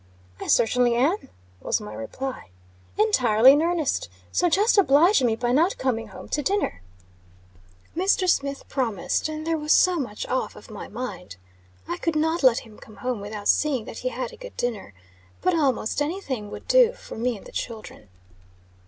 "I certainly am," was my reply. "Entirely in earnest. So, just oblige me by not coming home to dinner." Mr. Smith promised; and there was so much off of my mind. I could not let him come home without seeing that he had a good dinner. But, almost any thing would do for me and the children.